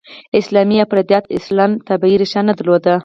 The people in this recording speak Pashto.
اسلامي افراطیت اصلاً طبیعي ریښه نه درلوده.